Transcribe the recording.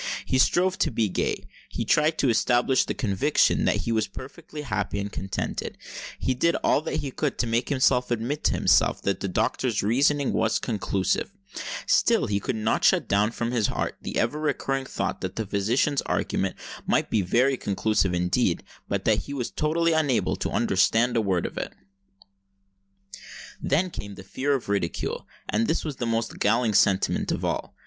He strove to be gay—he tried to establish the conviction that he was perfectly happy and contented—he did all he could to make himself admit to himself that the doctor's reasoning was conclusive:—still he could not shut out from his heart the ever recurring thought that the physician's argument might be very conclusive indeed, but that he was totally unable to understand a word of it. Then came the fear of ridicule;—and this was the most galling sentiment of all.